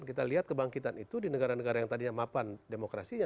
kita lihat kebangkitan itu di negara negara yang tadinya mapan demokrasinya